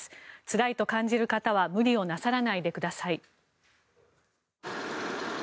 つらいと感じる方は無理をなさらないでください。